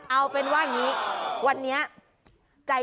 เอาเป็นว่าอย่างนี้วันนี้